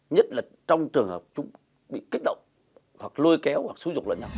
nhất là trong trường hợp chúng bị kích động hoặc lôi kéo hoặc xúi dục lợi nhau